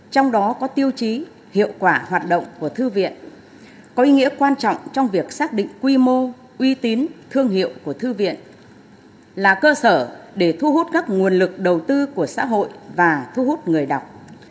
trong đó có tiêu chí hiệu quả hoạt động của thư viện có ý nghĩa quan trọng trong việc xác định quy mô uy tín thương hiệu của thư viện là cơ sở để thu hút các nguồn lực đầu tư của xã hội và thu hút người đọc